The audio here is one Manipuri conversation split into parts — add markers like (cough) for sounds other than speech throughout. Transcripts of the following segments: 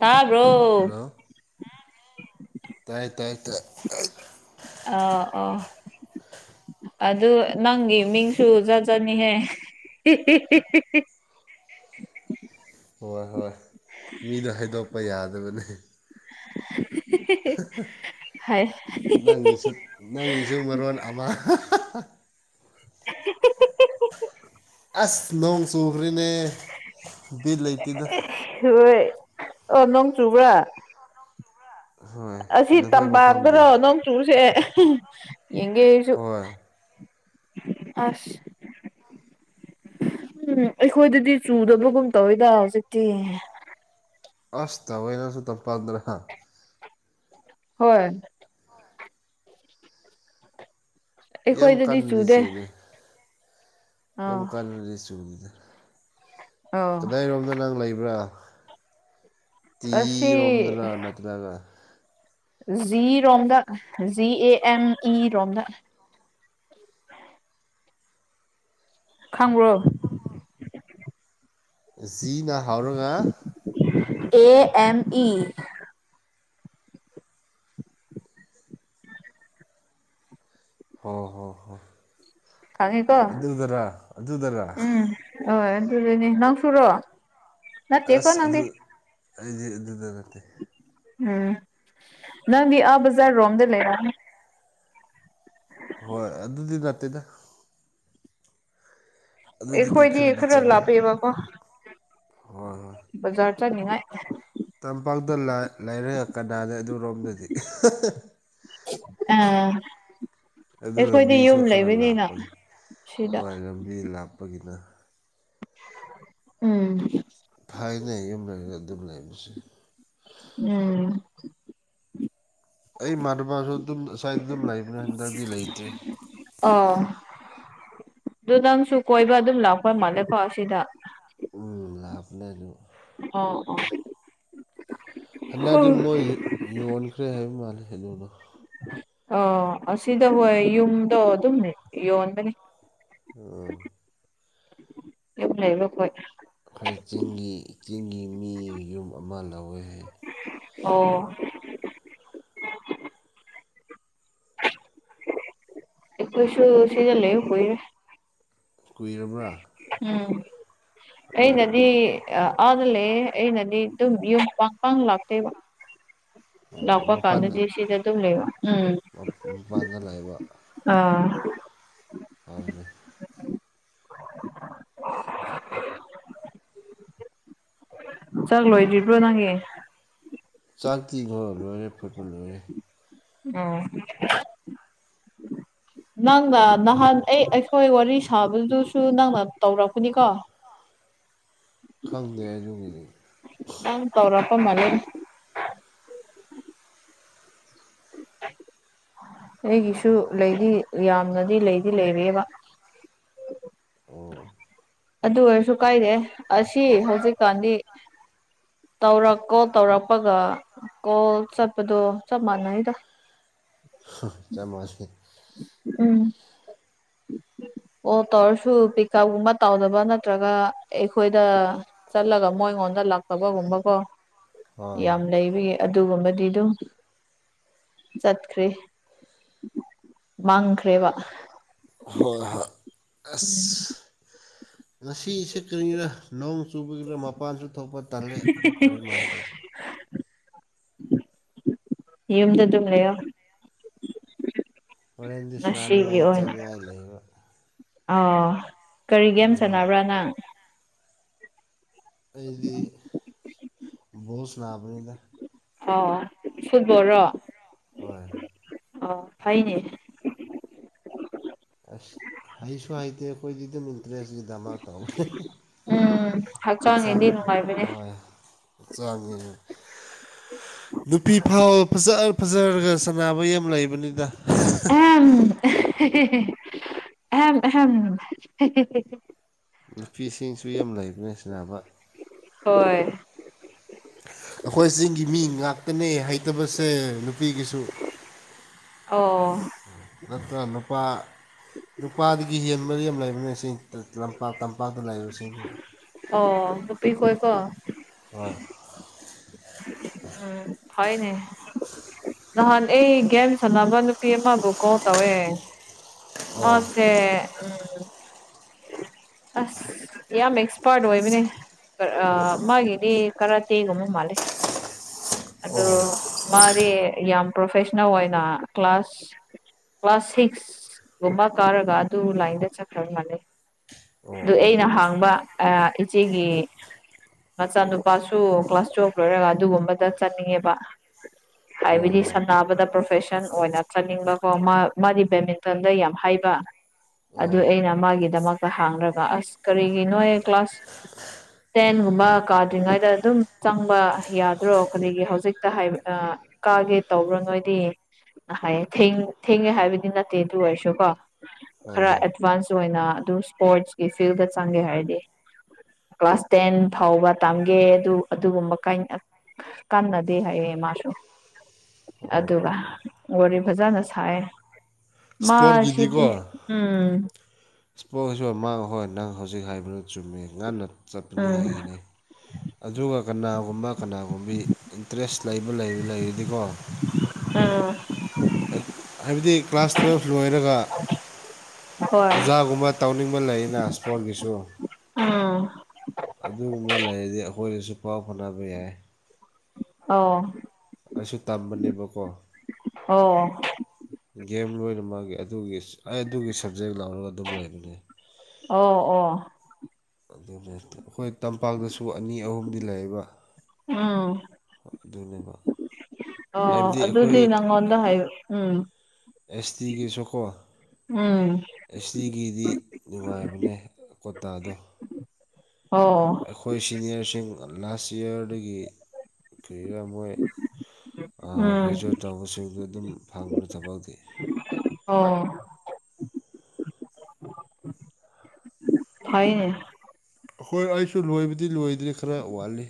ꯇꯥꯕ꯭ꯔꯣ ꯍꯜꯂꯣ ꯇꯥꯏ ꯇꯥꯏ ꯇꯥꯏ ꯑ ꯑꫭ ꯑꯗꯨ ꯅꯪꯒꯤ ꯃꯤꯡꯁꯨ ꯖꯥꯠ ꯖꯥꯠꯅꯤꯍꯦ ꯍꯣꯏ ꯍꯣꯏ ꯃꯤꯗꯣ ꯍꯥꯏꯗꯣꯛꯄ ꯌꯥꯗꯕꯅꯦ ꯍꯩꯁ ꯅꯪꯒꯤꯖꯨ ꯃꯔꯣꯟ ꯑꯃ (unintelligible) ꯑꯁ ꯅꯣꯡ ꯆꯨꯔꯦꯅꯦ ꯕꯤꯠ ꯂꯩꯇꯦꯗ ꯍꯣꯏ ꯑꯣ ꯅꫭꯡ ꯆꯨꯕ꯭ꯔꯥ ꯍꯣꯏ ꯑꯁꯤ ꯅꯈꯣꯏ ꯇꯝꯄꯥꯛꯇꯔꯣ ꯃꯐꯝꯗꯤ ꯅꯣꯡ ꯆꯨꯔꯤꯁꯦ ꯌꯦꯡꯒꯦ ꯑꯩꯁꯨ ꯍꯣꯏ ꯑꯁ ꯎꯝ ꯑꯩꯈꯣꯏꯗꯗꯤ ꯆꯨꯗꯕꯒꯨꯝ ꯇꯧꯋꯤꯗ ꯍꯧꯖꯤꯛꯇꯤ ꯑꯁ ꯇꯧꯋꯦꯅꯁꯨ ꯇꯝꯄꯥꯛꯗ ꯍꯥ ꯍꯣꯏ ꯌꯥꯝ ꯑꯩꯈꯣꯏꯗꯗꯤ ꯀꯟꯅꯗꯤ ꯆꯨꯗꯦ ꯌꯥꯝ ꯑꯥ ꯀꯥꯟꯅꯗꯤ ꯆꯨꯋꯤꯗ ꯑꯣ ꯀꯗꯥꯏꯔꯣꯝꯗ ꯅꯪ ꯂꯩꯕ꯭ꯔꯥ ꯑꯁꯤ ꯇꯤꯔꯣꯝꯗꫪ ꯅꯠꯇ꯭ꯔꯒ ꯖꯤꯔꯣꯝꯗ ꯖꯤ ꯑꯦ ꯑꯦꯝ ꯏ ꯔꯣꯝꯗ ꯈꯪꯕ꯭ꯔꯣ ꯖꯤꯅ ꯍꯧꯎꯔꯒ ꯑꯦ ꯑꯦꯝ ꯏ ꯍꯣ ꯍꯣ ꯍꯣ ꯈꯪꯉꯤꯀꯣ ꯑꯗꯨꯗꯔ ꯑꯗꯨꯗꯔꯥ ꯑꫭꯏ ꯑꯗꯨꯗꯅꯦ ꯅꯪꯁꯨꯔꯣ ꯑꯁ ꯑꯗꯨ ꯑꯩꯗꯤ ꯑꯗꯨꯗ ꯅꯠꯇꯦ ꯎꯝ ꯅꯪꯗꯤ ꯑꯥ ꯕꯖꯔ ꯔꯣꯝꯗ ꯂꯩꯔꯝꯅꯤ ꯍꯣꯏ ꯑꯗꯨꯗꯤ ꯅꯠꯇꯦꯗ ꯑꯗꯨꯗꯒꯤ ꯑꯦꯈꯣꯏꯗꯤ ꯈꯔꯗꯤ ꯈꯔ ꯆꯠꯂꯦ ꯂꯥꯞꯄꯦ ꯕꯥ ꯀꯣ ꯍꯣꯏ ꯍꯣꯏ ꯕꯖꯥꯔ ꯆꯠꯅꯤꯡꯉꯥꯏ ꯇꯝꯄꯥꯛꯇ ꯂꯥ ꯂꯩꯔꯒ ꯀꯅꯥꯗ ꯑꯗꯨꯔꯣꯝꯗꯗꯤ ꯑꯥ ꯑꯗꯨ ꯑꯩꯈꯣꯏꯗꯤ ꯂꯝꯕꯤꯁꯨ ꯌꯨꯝ ꯈꯔ ꯂꯩꯕꯅꯤꯅ ꯁꯤꯗ ꯃꯤ ꯂꯥꯛꯄꯒꯤꯅ ꯎꯝ ꯐꯅ ꯌꯨꯝ ꯂꯩꯔꯒ ꯑꯗꯨꯝ ꯂꯩꯕꯁꯦ ꯎꯝ ꯑꯩ ꯏꯃꯥꯅꯕꯥꯁꯨ ꯑꯗꯨꯝ ꯑꯁ꯭ꯋꯥꯏꯗ ꯑꯗꯨꯝ ꯂꯩꯕꯅꯦ ꯍꯟꯗꯛꯗꯤ ꯂꯩꯇ꯭ꯔꯦ ꯑꯣ ꯑꯗꯨ ꯅꯪꯁꯨ ꯀꯣꯏꯕ ꯑꯗꯨꯝ ꯂꯥꯛꯄ ꯃꯥꯜꯂꯦꯀꯣ ꯑꯁꯤꯗ ꯎꯝ ꯂꯥꯛꯄꯅꯦ ꯑꯗꯨ ꯑꯣ ꯑꯣ ꯍꯟꯗꯛꯇꯤ ꯃꯣꯏ ꯌꯟꯈ꯭ꯔꯦ ꯍꯥꯏꯕ ꯃꯥꯜꯂꯦ ꯑꯗꯨꯗꯣ꯫ ꯑ ꯑꯁꯤꯗ ꯍꯣꯏ ꯌꯨꯝꯗꯣ ꯑꯗꯨꯝ ꯌꯣꯟꯕꯅꯤ꯫ ꯑ꯫ (unintelligible) ꯑꯩꯈꯣꯏ ꯆꯤꯡꯒꯤ ꯆꯤꯡꯒꯤ ꯃꯤ ꯌꯨꯝ ꯑꯃ ꯂꯧꯋꯦ ꯍꯥꯏ ꯑꯣ꯫ ꯑꯩꯈꯣꯏꯁꯨ ꯁꯤꯗ ꯂꯩꯕ ꯀꯏꯔꯦ꯫ ꯀꯨꯏꯔꯕ꯭ꯔꯥ꯫ ꯎꯝ ꯑꯩꯅꯗꯤ ꯑꯥꯗ ꯂꯩꯑꯦ ꯑꯩꯅꯗꯤ ꯑꯗꯨꯝ ꯌꯨꯝ ꯄꯪ ꯄꯥꯡ ꯂꯥꯛꯇꯦꯕ꯫ ꯑꯣ ꯂꯥꯛꯄ ꯃꯄꯥꯟꯗ ꯀꯥꯟꯗꯁꯤꯗ ꯑꯗꯨꯝ ꯂꯩꯕ ꯎꯝ꯫ ꯃꯄꯥꯟꯗ ꯂꯩꯕ ꯑꯥ꯫ (unintelligible) (inaudible) ꯆꯥꯛ ꯂꯣꯏꯗ꯭ꯔꯤꯕ꯭ꯔꯣ ꯅꯪꯒꯤ ꯆꯥꯛꯇꯤꯗꯨ ꯂꯣꯏꯔꯦ ꯐꯨꯠꯄ ꯂꯣꯏꯔꯦ ꯎ ꯅꯪꯒ ꯅꯍꯥꯟ ꯑꯩ ꯈꯣꯏ ꯋꯥꯔꯤ ꯁꯥꯕꯗꯨꯁꯨ ꯅꯪꯅ ꯇꯧꯔꯛꯄꯅꯤꯀꯣ ꯈꯪꯗꯦ ꯑꯗꯨꯒꯤꯗꯤ ꯅꯪ ꯇꯧ꯭ꯔꯄ ꯃꯥꯂꯦ ꯑꯩꯒꯤꯁꯨ ꯂꯩꯗꯤ ꯌꯥꯝꯅꯗꯤ ꯂꯩꯗꯤ ꯂꯩꯔꯦꯕ ꯑꯣ ꯑꯗꯨ ꯑꯣꯏꯔꯁꯨ ꯀꯥꯏꯗꯦ ꯑꯁꯤ ꯍꯧꯖꯤꯛꯀꯥꯟꯗꯤ ꯇꯧꯔꯛ ꯀꯣꯜ ꯇꯧꯔꯛꯄꯒ ꯀꯣꯜ ꯆꯠꯄꯗꯣ ꯆꯞ ꯃꯥꯟꯅꯩꯗ ꯆꯞ ꯃꯥꯅꯩ ꯎꯝ ꯀꯣ ꯇꯧꯔꯁꯨ ꯄꯤꯀꯞꯒꯨꯝꯕ ꯇꯧꯗꯕ ꯅꯠꯇ꯭ꯔꯒ ꯑꯩꯈꯣꯏꯗ ꯆꯠꯂꯒ ꯃꯣꯏ ꯑꯩꯉꯣꯟꯗ ꯂꯥꯛꯇꯕꯒꯨꯝꯕꯀꯣ ꯑꯥ ꯌꯥꯝ ꯂꯩꯕꯒꯤ ꯑꯗꯨꯒꯨꯝꯕꯗꯤ ꯑꯗꯨꯝ ꯆꯠꯈ꯭ꯔꯦ ꯃꯥꯡꯈ꯭ꯔꯦꯕ ꯍꯣꯏ ꯍꯣꯏ ꯑꯁ ꯎꯝ ꯉꯁꯤꯁꯦ ꯀꯔꯤꯒꯤꯔꯥ ꯅꯣꯡ ꯆꯨꯕꯒꯤꯔꯥ ꯃꯄꯥꯟꯁꯨ ꯊꯣꯛꯄ ꯇꯜꯂꯦ ꯑꯗꯨ ꯀꯔꯤꯝꯥꯏ ꯇꯧꯁ (unintelligible) ꯌꯨꯝꯗ ꯑꯗꯨꯝ ꯂꯩꯌꯣ ꯍꯣꯔꯦꯟꯗꯤ ꯁꯅꯥꯅꯤꯡꯉꯥꯏ ꯆꯠꯅꯤꯡꯉꯥꯏ ꯂꯩꯕ ꯑꯣ ꯀꯔꯤ ꯒꯦꯝ ꯑꯗꯨꯅ ꯁꯥꯟꯅꯕ꯭ꯔꯥ ꯅꯪ ꯑꯩꯗꯤ ꯕꯣꯜ ꯁꯅꯥꯕꯦꯗ ꯑꯣ ꯐꯨꯠꯕꯜ ꯔꯣ ꯍꯣꯏ ꯑꯣ ꯍꯥꯏꯅꯦ ꯑꯁ ꯍꯩꯁꯨ ꯍꯩꯇꯦ ꯑꯩꯈꯣꯏꯗꯤ ꯑꯗꯨꯝ ꯏꯟꯇꯔꯦꯁꯀꯤꯗꯃꯛ ꯇꯧꯕꯦ ꯎꯝ ꯍꯛꯆꯥꯡꯒꯤꯗꯤ ꯅꯨꯡꯉꯥꯏꯕꯅꯦ ꯆꯥꯡꯉꯤ ꯅꯨꯄꯤ ꯐꯥꯎ ꯐꯖ ꯐꯖꯔꯒ ꯁꯥꯟꯅꯕ ꯌꯥꯝ ꯂꯩꯕꯅꯤꯗ ꯑꯍꯝ ꯑꯍꯝ ꯑꯍꯝ ꯅꯨꯄꯤꯁꯤꯡꯁꯨ ꯌꯥꯝ ꯂꯩꯕꯅꯤ ꯁꯅꯕ ꯍꯣꯏ ꯑꯩꯈꯣꯏ ꯆꯤꯡꯒꯤ ꯃꯤ ꯉꯥꯛꯇꯅꯦ ꯍꯩꯇꯕꯁꯦ ꯅꯨꯄꯤꯒꯤꯁꯨ ꯑꯣ ꯅꯠꯇ꯭ꯔꯒ ꯅꯨꯄꯥ ꯅꯨꯄꯥꯗꯒꯤ ꯍꯦꯟ ꯃꯔꯤ ꯑꯃ ꯂꯩꯕꯅ ꯂꯝꯄꯥꯛ ꯇꯝꯄꯥꯛꯇ ꯂꯩꯕꯁꯤꯡꯅꯤ ꯑꯣ ꯃꯄꯤꯈꯣꯏ ꯀꯣ ꯎꯣꯏ ꯎꯝ ꯊꯅꯦ ꯅꯍꯥꯟ ꯑꯩ ꯒꯦꯝ ꯁꯥꯟꯅꯕ ꯅꯨꯄꯤ ꯑꯃꯕꯨ ꯀꯣꯜ ꯇꯧꯑꯦ ꯑꯣ ꯑꯣꯁꯦ ꯎꯝ ꯑꯁ ꯌꯥꯝ ꯑꯦꯛꯁꯄꯥꯔꯠ ꯑꯣꯏꯕꯅꯦ ꯃꯥꯒꯤꯗꯤ ꯈꯔ ꯇꯦꯒꯨꯝꯕ ꯃꯥꯜꯂꯦ ꯑꯗꯨ ꯃꯥꯗꯤ ꯌꯥꯝ ꯄ꯭ꯔꯣꯐꯦꯁꯅꯦꯜ ꯑꯣꯏꯅ ꯀ꯭ꯂꯥꯁ ꯀ꯭ꯂꯥꯁ ꯁꯤꯛꯁꯒꯨꯝꯕ ꯀꯥꯔꯒ ꯑꯗꯨ ꯂꯥꯏꯟꯗ ꯆꯠꯈ꯭ꯔ ꯃꯥꯜꯂꯦ ꯑꯣ ꯑꯣ ꯑꯗꯨ ꯑꯩꯅ ꯍꯥꯡꯕ ꯏꯆꯦꯒꯤ ꯃꯆꯥꯅꯨꯄꯥꯁꯨ ꯀ꯭ꯂꯥꯁ ꯇꯨꯋꯦꯜꯐ ꯂꯣꯏꯔꯒ ꯑꯗꯨꯒꯨꯝꯕꯗ ꯆꯠꯅꯤꯡꯉꯦꯕ ꯍꯣꯏ ꯍꯥꯏꯕꯗꯤ ꯍꯣꯏ ꯁꯝꯕꯗ ꯄ꯭ꯔꯣꯐꯦꯁꯟ ꯑꯣꯏꯅ ꯆꯠꯅꯤꯡꯕꯀꯣ ꯃꯥꯗꯤ ꯕꯦꯠꯃꯤꯟꯇꯟꯗ ꯌꯥꯝ ꯍꯥꯏꯕ ꯑꯗꯨ ꯑꯣ ꯍꯣꯏ ꯑꯩꯅ ꯃꯥꯒꯤꯗꯃꯛꯇ ꯍꯥꯡꯔꯒ ꯑꯁ ꯀꯔꯤꯒꯤꯅꯣ ꯀ꯭ꯂꯥꯁ ꯇꯦꯟꯒꯨꯝꯕ ꯀꯥꯗ꯭ꯔꯤꯉꯩꯗ ꯑꯗꯨꯝ ꯆꯪꯕ ꯌꯥꯗ ꯑ꯭ꯔꯣ ꯀꯔꯤꯒꯤ ꯍꯧꯖꯤꯛꯇ ꯍꯥꯏ ꯀꯥꯒꯦ ꯇꯧꯕ꯭ꯔꯣ ꯅꯣꯏꯗꯤ ꯍꯥꯏꯌꯦ ꯊꯦꯡꯉꯦ ꯍꯥꯏꯕꯗꯤ ꯅꯠꯇꯦ ꯑꯗꯨ ꯑꯣꯏꯔꯁꯨ ꯀꯣ ꯈꯔ ꯑꯦꯗꯚꯥꯟꯁ ꯑꯣꯏꯅ ꯑꯗꯨꯝ ꯏꯁꯄꯣꯔꯠꯁꯀꯤ ꯐꯤꯜꯗ ꯆꯪꯒꯦ ꯍꯥꯏꯔꯗꯤ ꯀ꯭ꯂꯥꯁ ꯇꯦꯟ ꯐꯥꯎꯕ ꯇꯝꯒꯦ ꯑꯗꯨ ꯑꯗꯨꯒꯨꯝꯕ ꯀꯥꯏꯅ ꯀꯥꯟꯅꯗꯦ ꯍꯥꯏꯌꯦ ꯃꯥꯁꯨ ꯑꯗꯨꯒ ꯋꯥꯔꯤ ꯐꯖꯅ ꯁꯥꯏꯌꯦ ꯃꯥ ꯁꯤꯗꯤ ꯏꯁꯄꯣꯔꯠꯀꯤꯗꯤꯀꯣ ꯎꯝ ꯏꯁꯄꯣꯔꯠꯁꯨ ꯃꯥꯡ ꯍꯣꯏ ꯅꯪ ꯍꯧꯖꯤꯛ ꯍꯥꯏꯕꯗꯣ ꯆꯨꯝꯃꯤ ꯉꯟꯅ ꯎꯝ ꯆꯠꯄꯅꯤꯉꯥꯏꯒꯤꯅꯤ ꯑꯗꯨꯒ ꯀꯅꯥꯒꯨꯝꯕ ꯀꯅꯥꯒꯨꯝꯕꯤ ꯏꯟꯇ꯭ꯔꯦꯁꯇ ꯂꯩꯕ ꯂꯩꯔ ꯂꯩꯔꯗꯤꯀꯣ ꯎꯝ ꯍꯥꯏꯕꯗꯤ ꯀ꯭ꯂꯥꯁ ꯇꯨꯌꯦꯜꯐ ꯂꯣꯏꯔꯒ ꯍꯣꯏ ꯑꯣꯖꯥꯒꯨꯝꯕ ꯇꯧꯅꯤꯡꯕ ꯂꯩꯌꯦꯅ ꯏꯁꯄꯣꯔꯠꯒꯤꯁꯨ ꯑꯥ ꯑꯗꯨꯒꯨꯝꯕ ꯂꯩꯔꯗꯤ ꯑꯩꯈꯣꯏꯗꯁꯨ ꯄꯥꯎ ꯐꯥꯎꯅꯕ ꯌꯥꯏ ꯑ ꯑꯩꯁꯨ ꯇꯝꯕꯅꯦꯕꯀꯣ ꯑꯣ ꯒꯦꯝ ꯂꯣꯏꯅ ꯃꯥꯒꯤ ꯑꯗꯨꯒꯤ ꯑꯩ ꯑꯗꯨꯒꯤ ꯁꯕꯖꯦꯛ ꯂꯥꯎꯔꯒ ꯑꯗꯨꯝ ꯂꯩꯕꯅꯦ ꯑꯣ ꯑꯣ ꯑꯗꯨ ꯑꯩꯈꯣꯏ ꯇꯝꯄꯥꯛꯇꯁꯨ ꯑꯅꯤ ꯑꯍꯨꯝꯗꯤ ꯂꯩꯌꯦꯕ ꯑ ꯑꯗꯨꯅꯦꯕ ꯑꯣ ꯍꯥꯏꯕꯗꯤ ꯑꯗꯨꯗꯤ ꯑꯩꯈꯣꯏ ꯅꯪꯉꯣꯟꯗ ꯍꯥꯏꯌꯨ ꯎꯝ ꯑꯦꯁ ꯇꯤꯒꯤ ꯁꯣꯀꯣ ꯎꯝ ꯑꯦꯁ ꯇꯤ ꯒꯤꯗꯤ ꯅꯨꯡꯉꯥꯏꯕꯅꯦ ꯀꯣꯇꯥꯗꯣ ꯑꯣ ꯑꯩꯈꯣꯏ ꯁꯤꯅꯤꯌꯔꯁꯤꯡ ꯂꯥꯁ ꯏꯌꯥꯔꯗꯒꯤ ꯀꯔꯤꯔꯥ ꯃꯣꯏ ꯑ ꯎꯝ ꯒ꯭ꯔꯦꯖꯨꯋꯌꯦꯠ ꯇꯧꯕꯁꯤꯡꯗꯨ ꯑꯗꯨꯝ ꯐꯪꯕꯅꯤ ꯊꯕꯛꯇꯤ ꯑꯣ (unintelligible) ꯍꯥꯏꯅꯦ ꯍꯣꯏ ꯑꯩꯁꯨ ꯂꯣꯏꯕꯗꯤ ꯂꯣꯏꯗ꯭ꯔꯤ ꯈꯔ ꯋꯥꯠꯂꯤ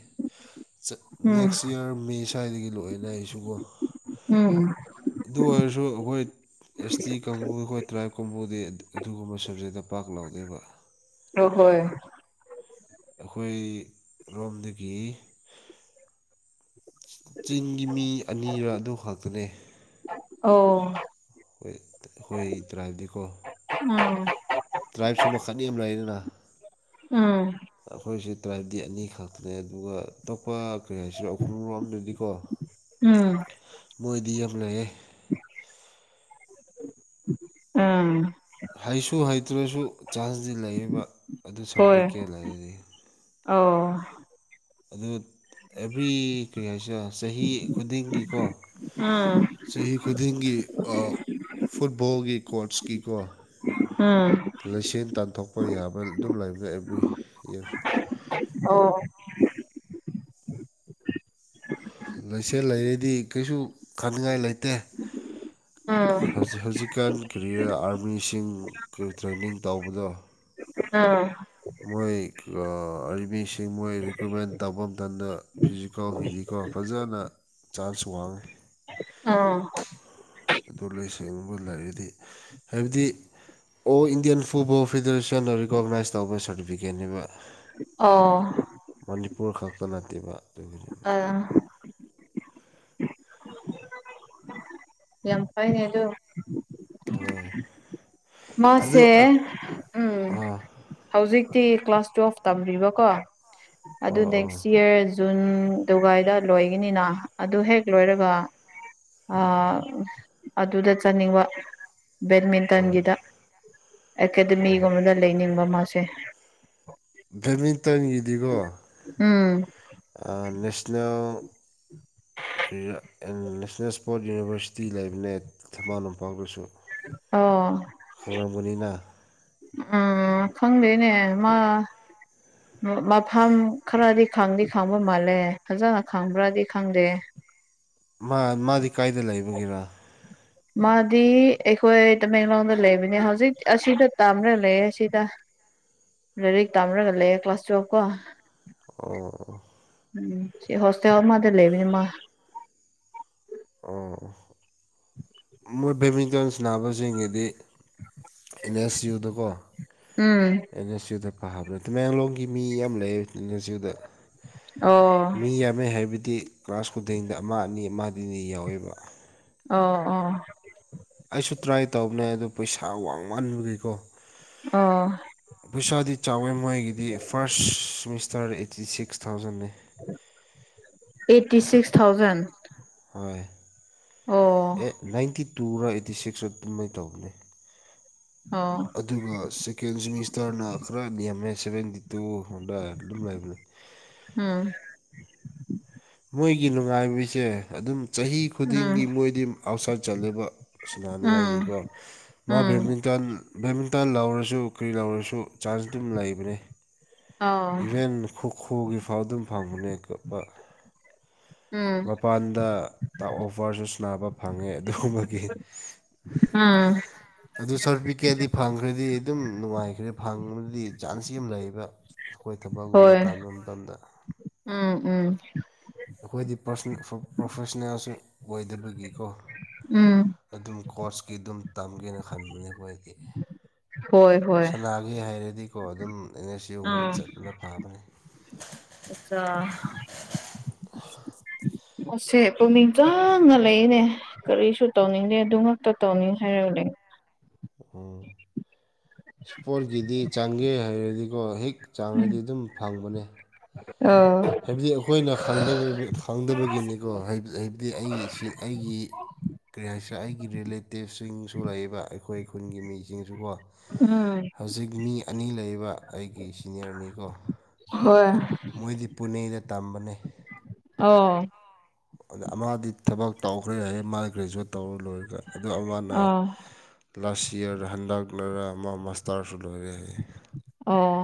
ꯆꯠ ꯎꯝ ꯅꯦꯛꯁ ꯏꯌꯥꯔ ꯃꯦ ꯁ꯭ꯋꯥꯏꯗꯒꯤ ꯂꯣꯏꯔꯅꯤ ꯑꯩꯁꯨ ꯀꯣ ꯎꯝ ꯑꯗꯨ ꯑꯣꯏꯔꯁꯨ ꯑꯩꯈꯣꯏ ꯑꯦꯁ ꯇꯤ ꯀꯥꯡꯕꯨ ꯑꯩꯈꯣꯏ ꯇ꯭ꯔꯥꯏꯞ ꯀꯥꯡꯕꯨꯗꯤ ꯑꯗꯨ ꯑꯗꯨꯒꯨꯝꯕ ꯁꯔꯖꯔꯤꯗ ꯄꯥꯛ ꯂꯧꯥꯗꯦꯕ ꯑꯣ ꯍꯣꯏ ꯑꯩꯈꯣꯏ ꯔꯣꯝꯗꯒꯤ ꯆꯤꯡꯒꯤ ꯃꯤ ꯑꯅꯤꯔ ꯑꯗꯨ ꯈꯛꯇꯅꯦ ꯑꯣ ꯍꯣꯏ (unintelligible) ꯇ꯭ꯔꯗꯤꯀꯣ ꯎꯝ ꯗ꯭ꯔꯥꯏꯞꯁꯨ ꯃꯈꯜ (unintelligible) ꯎꯝ ꯑꯩꯈꯣꯏꯁꯦ ꯇ꯭ꯔꯥꯏꯕꯗꯤ ꯑꯅꯤꯈꯛꯅꯦ ꯑꯗꯨꯒ ꯑꯇꯣꯞꯄ ꯀꯔꯤ ꯍꯥꯏꯁꯤꯔ ꯎꯈ꯭ꯔꯨꯂꯣꯝꯗꯗꯤ ꯀꯣ ꯎꯝ ꯃꯣꯏꯗꯤ ꯌꯥꯝ ꯂꯩꯌꯦ (unintelligible) ꯑꯝ ꯍꯩꯁꯨ ꯍꯩꯇ꯭ꯔꯁꯨ ꯆꯥꯟꯁꯇꯤ ꯂꯩꯌꯦꯕ ꯑꯗꯨ ꯁꯞ ꯍꯣꯏ ꯄ꯭ꯔꯤꯛꯀꯦ ꯂꯩꯔꯗꯤ ꯑꯣ ꯑꯗꯨ ꯑꯦꯚ꯭ꯔꯤ ꯀꯔꯤ ꯍꯥꯏꯁꯤꯔ ꯆꯍꯤ ꯈꯨꯗꯤꯡꯒꯤ ꯀꯣ ꯎꯝ ꯆꯍꯤ ꯈꯨꯗꯤꯡꯒꯤ ꯑ ꯐꯨꯠꯕꯣꯜꯒꯤ ꯀꯣꯔꯠꯁꯀꯤ ꯀꯣ ꯎꯝ ꯂꯩꯁꯦꯟ ꯇꯥꯟꯊꯣꯛꯄ ꯌꯥꯕ ꯑꯗꯨꯝ ꯂꯩꯕ꯭ꯔ ꯑꯦꯕ꯭ꯔꯤ ꯏꯌꯥꯔ ꯑꯣ ꯂꯩꯁꯦꯜ ꯂꯩꯔꯗꯤ ꯀꯩꯁꯨ ꯈꯥꯅꯤꯡꯉꯥꯏ ꯂꯩꯇꯦ ꯎꯝ ꯍꯧꯖꯤꯛ ꯍꯧꯖꯤꯛ ꯀꯥꯟ ꯀꯔꯤꯔ ꯑꯥꯔꯃꯤꯁꯤꯡ ꯇ꯭ꯔꯦꯟꯅꯤꯡ ꯇꯧꯕꯗꯣ ꯑꯥ ꯃꯣꯏ ꯑꯃꯤꯁꯤꯡ ꯃꯣꯏ ꯔꯤꯀ꯭ꯔꯨꯠꯃꯦꯟ ꯇꯧꯕ ꯃꯇꯝ ꯃꯇꯝꯗ ꯐꯤꯖꯤꯀꯦꯜꯒꯤꯗꯤꯀꯣ ꯐꯖꯅ ꯆꯥꯟꯁ ꯋꯥꯡꯉꯤ ꯑ ꯑꯗꯨ ꯂꯥꯏꯁꯦꯡꯕ ꯂꯩꯔꯒꯗꯤ ꯍꯥꯏꯕꯗꯤ ꯑꯣ ꯏꯟꯗꯤꯌꯥꯟ ꯐꯨꯠꯕꯣꯜ ꯐꯦꯗꯔꯦꯁꯟꯅ ꯔꯤꯀꯣꯛꯅꯥꯏꯁ ꯇꯧꯕ ꯁꯥꯔꯇꯤꯐꯤꯀꯦꯠꯅꯦꯕ ꯑꯣ ꯃꯅꯤꯄꯨꯔ ꯈꯛꯇ ꯅꯠꯇꯦꯕ ꯑꯗꯨꯅꯤ ꯑꯥ ꯌꯥꯝ ꯐꯩꯅꯦ ꯑꯗꯨ ꯑꯣꯏ ꯃꯥꯁꯦ ꯎꯝ ꯍꯧꯖꯤꯛꯇꯤ ꯀ꯭ꯂꯥꯁ ꯇꯨꯋꯦꯜꯐ ꯇꯝꯕꯤꯕ ꯀꯣ ꯑꯗꯨ ꯑꯣ ꯑꯣ ꯅꯦꯛꯁ ꯏꯌꯔ ꯖꯨꯟ ꯗꯨꯒꯥꯏꯗ ꯂꯣꯏꯒꯤꯅꯤꯅ ꯑꯗꯨ ꯍꯦꯛ ꯂꯣꯏꯔꯒ ꯑ ꯑꯗꯨꯗ ꯆꯠꯅꯤꯡꯕ ꯑꯣ ꯕꯦꯠꯃꯤꯟꯇꯟꯒꯤꯗ ꯑꯣ ꯑꯦꯀꯥꯗꯃꯤꯒꯨꯝꯕꯗ ꯂꯩꯅꯤꯡꯕ ꯃꯥꯁꯦ ꯕꯦꯠꯃꯤꯡꯇꯟꯒꯤꯗꯤꯒꯣ ꯎꯝ ꯅꯦꯁꯅꯦꯜ ꯑꯩꯈꯣꯏ ꯅꯦꯁꯅꯦꯜ ꯏꯁꯄꯣꯔꯠ ꯌꯨꯅꯤꯚꯔꯁꯤꯇꯤ ꯂꯩꯕꯅꯦ ꯊꯝꯕꯥꯟ ꯂꯝꯄꯥꯛꯗꯁꯨ ꯑꯣ ꯈꯧꯔꯥꯡꯕꯅꯤꯅ ꯎꯝ ꯑ ꯈꯪꯗꯦꯅꯦ ꯃꯥ ꯃꯐꯝ ꯈꯔꯗꯤ ꯈꯪꯗꯤ ꯈꯪꯕ ꯃꯥꯜꯂꯦ ꯐꯖꯅ ꯈꯪꯕ꯭ꯔꯗꯤ ꯈꯪꯗꯦ ꯃꯥꯗꯤ ꯀꯥꯏꯗ ꯂꯩꯕꯒꯤꯔ ꯃꯥꯗꯤ ꯑꯩꯈꯣꯏ ꯇꯃꯦꯡꯂꯣꯡꯗ ꯂꯩꯕꯅꯦ ꯍꯧꯖꯤꯛ ꯑꯁꯤꯗ ꯇꯝ꯭ꯔꯥ ꯂꯩꯌꯦ ꯑꯁꯤꯗ ꯂꯥꯏꯔꯤꯛ ꯇꯥꯝꯔꯒ ꯂꯩꯌꯦꯦ ꯀ꯭ꯂꯥꯁ ꯇꯨꯋꯦꯜꯕ ꯀꯣ ꯑꯣ ꯎꯝ ꯁꯤ ꯍꯣꯁꯇꯦꯜꯋꯥ ꯃꯥꯗ ꯂꯩꯅꯤꯃ ꯑ ꯃꯣꯏ ꯕꯦꯗꯃꯤꯟꯇꯟ ꯁꯅꯕꯁꯤꯡꯒꯤꯗꯤ ꯑꯦꯝ ꯑꯦꯁ ꯌꯨꯗꯀꯣ ꯎꯝ ꯑꯦꯟ ꯑꯦꯁ ꯌꯨꯗ ꯄꯥꯕꯅꯦ ꯇꯃꯦꯡꯂꯣꯡꯒꯤ ꯃꯤ ꯌꯥꯝ ꯂꯩ ꯑꯦꯟ ꯑꯦꯁ ꯌꯨꯗ ꯑꯣ ꯃꯤ ꯌꯥꯝꯃꯦ ꯍꯥꯏꯕꯗꯤ ꯀ꯭ꯂꯥꯁ ꯈꯨꯗꯤꯡꯗ ꯑꯃ ꯑꯅꯤ ꯑꯃ ꯑꯅꯤ ꯌꯥꯎꯋꯦꯕ ꯑꯣ ꯑꯣ ꯑꯩꯁꯨ ꯇ꯭ꯔꯥꯏ ꯇꯧꯕꯅꯦ ꯑꯗꯣ ꯄꯩꯁꯥ ꯋꯥꯡꯃꯟꯕꯒꯤꯀꯣ ꯑ ꯄꯩꯁꯥꯗꯤ ꯆꯥꯎꯋꯦ ꯃꯣꯏꯒꯤꯗꯤ ꯐꯥꯔꯁ ꯁꯤꯦꯃꯤꯁꯇꯔ ꯑꯩꯠꯇꯤ ꯁꯤꯛꯁ ꯊꯥꯎꯖꯟꯅꯤ ꯑꯩꯠꯇꯤ ꯁꯤꯛꯁ ꯊꯥꯎꯖꯟ ꯍꯣꯏ ꯑꯣ ꯑꯦ ꯅꯥꯏꯟꯇꯤ ꯇꯨꯔ ꯑꯩꯠꯇꯤ ꯁꯤꯛꯁ ꯑꯗꯨꯃꯥꯏꯅ ꯇꯧꯕꯅꯦ ꯑꯣ ꯑꯗꯨꯒ ꯁꯦꯀꯦꯟ ꯁꯦꯃꯤꯁꯇꯔꯅ ꯈꯔ ꯅꯦꯝꯃꯦ ꯁꯕꯦꯟꯇꯤ ꯇꯨ ꯍꯗ ꯑꯗꯨꯝ ꯂꯩꯔꯕꯝꯃꯦ ꯎꯝ ꯃꯣꯏꯒꯤ ꯅꯨꯡꯉꯥꯏꯕꯁꯦ ꯑꯗꯨꯝ ꯆꯍꯤ ꯎꯝ ꯈꯨꯗꯤꯡꯒꯤ ꯃꯣꯏꯗꯤ ꯑꯥꯎꯠꯁꯥꯏꯠ ꯆꯠꯂꯦꯕ ꯎꯝ ꯁꯅꯥꯅꯤꯡꯉꯥꯏꯒꯤꯀꯣ ꯃꯥ ꯎꯝ ꯕꯦꯃꯤꯇꯟ ꯕꯦꯠꯃꯤꯟꯇꯟ ꯂꯧꯔꯁꯨ ꯀꯔꯤ ꯂꯧꯔꯁꯨ ꯆꯥꯟꯁ ꯑꯗꯨꯝ ꯂꯩꯕꯅꯤ ꯑꯥꯎ ꯏꯚꯦꯟ ꯈꯣꯈꯣꯒꯤ ꯐꯥꯎ ꯑꯗꯨꯝ ꯐꯪꯕꯅꯦ ꯀꯣꯄ ꯎꯝ ꯃꯄꯥꯟꯗ ꯑꯣꯐꯔꯁꯨ ꯁꯥꯟꯅꯕ ꯐꯪꯉꯦ ꯑꯗꯨꯒꯨꯝꯕꯒꯤ ꯑꯝ ꯑꯗꯨ ꯁꯥꯔꯇꯤꯐꯤꯀꯦꯠꯗꯤ ꯐꯪꯈ꯭ꯔꯗꯤ ꯑꯗꯨꯝ ꯅꯨꯡꯉꯥꯏꯈ꯭ꯔꯦ ꯐꯪꯕꯗꯤ ꯆꯥꯟꯁ ꯌꯥꯝ ꯂꯩꯌꯦꯕ ꯑꯩꯈꯣꯏ ꯊꯕꯛꯒꯨꯝꯕ ꯍꯣꯏ ꯇꯥꯟꯕ ꯃꯇꯝꯗ ꯎꯝ ꯎꯝ ꯑꯩꯈꯣꯏꯗꯤ ꯄ꯭ꯔꯥꯁꯣꯅꯦ ꯄ꯭ꯔꯣꯐꯦꯁꯅꯦꯜꯁꯨ ꯑꯣꯏꯗꯕꯒꯤꯀꯣ ꯎꯝ ꯑꯗꯨꯝ ꯀꯣꯁꯀꯤ ꯑꯗꯨꯝ ꯇꯝꯒꯦꯅ ꯈꯟꯕꯅꯦ ꯑꯩꯈꯣꯏꯗꯤ ꯍꯣꯏ ꯍꯣꯏ ꯁꯅꯥꯒꯤ ꯍꯥꯏꯔꯦꯗꯤꯀꯣ ꯑꯗꯨꯝ ꯑꯦꯟ ꯑꯦꯁ ꯌꯨ ꯑꯃꯗ ꯆꯠꯇꯄꯨꯅ ꯐꯥꯕꯅꯤ ꯑꯆꯥ ꯑꯁꯦ ꯄꯨꯛꯅꯤꯡ ꯆꯪꯅꯂꯛꯏꯅꯦ ꯀꯔꯤꯁꯨ ꯇꯧꯅꯤꯡꯗꯦ ꯑꯗꯨ ꯉꯛꯇ ꯇꯧꯅꯤ ꯍꯥꯏꯔ ꯂꯩ ꯑꯣ ꯏꯁꯄꯣꯔꯠꯀꯤꯗꯤ ꯆꯥꯡꯒꯦ ꯍꯥꯏꯔꯗꯤꯀꯣ ꯍꯦꯛ ꯆꯥꯡꯔꯗꯤ ꯑꯗꯨꯝ ꯐꯪꯕꯅꯦ ꯑ ꯍꯥꯏꯕꯗꯤ ꯑꯩꯈꯣꯏꯅ ꯈꯪꯗꯕꯒꯤꯅꯤꯀꯣ ꯍꯥꯏꯕꯗꯤ ꯑꯩ ꯏꯁꯤꯡ ꯑꯩꯒꯤ ꯀꯔꯤ ꯍꯥꯏꯁ ꯑꯩꯒꯤ ꯔꯤꯂꯦꯇꯤꯞꯁꯤꯡꯁꯨ ꯂꯩꯕ ꯑꯩꯈꯣꯏ ꯈꯨꯟꯒꯤ ꯃꯤꯁꯤꯡꯁꯨꯀꯣ ꯑ ꯍꯧꯖꯤꯛ ꯃꯤ ꯑꯅꯤ ꯂꯩꯕ ꯑꯩꯒꯤ ꯁꯤꯅꯤꯌꯔꯅꯤꯀꯣ ꯍꯣꯏ ꯃꯣꯏꯗꯤ ꯄꯨꯅꯦꯗ ꯇꯝꯕꯅꯦ ꯑꯣꯢ ꯑꯗ ꯃꯥꯗꯤ ꯊꯕꯛ ꯇꯧꯈ꯭ꯔꯦ ꯍꯥꯏꯌꯦ ꯃꯥꯅ ꯒ꯭ꯔꯦꯖꯨꯋꯦꯠ ꯇꯧꯔ ꯂꯣꯏꯔꯒ ꯑꯗꯨ ꯑꯃꯅ ꯑꯣ ꯂꯥꯁ ꯏꯌꯥꯔ ꯍꯟꯗꯛꯂꯔ ꯑꯃ ꯃꯁꯇꯥꯔꯁꯨ ꯂꯣꯏꯔꯦ ꯍꯥꯏ ꯑꯣ